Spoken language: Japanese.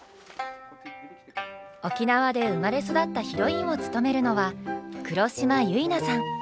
沖縄で生まれ育ったヒロインを務めるのは黒島結菜さん。